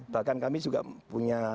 bahkan kami juga punya